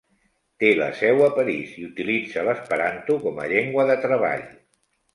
Té la seu a París i utilitza l'esperanto com a llengua de treball.